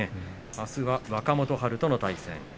あすは若元春と対戦です。